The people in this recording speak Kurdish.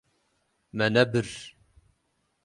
Me nebir.